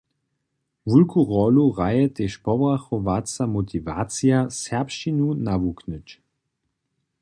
Wulku rólu hraje tež pobrachowaca motiwacija serbšćinu nawuknyć.